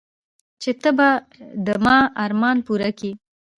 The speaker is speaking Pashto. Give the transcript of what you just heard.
چې ته به د ما ارمان پوره كيې.